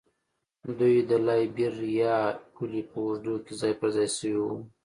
دوی د لایبیریا پولې په اوږدو کې ځای پر ځای شوي وو.